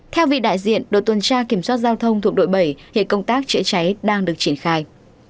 theo vị đại diện đội tuần tra kiểm soát giao thông thuộc đội bảy hiện công tác chữa cháy đang được triển khai